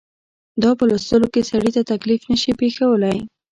دا په لوستلو کې سړي ته تکلیف نه شي پېښولای.